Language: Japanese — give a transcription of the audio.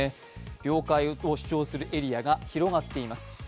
領海を主張するエリアが広がっています。